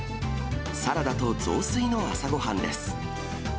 サラダと雑炊の朝ごはんです。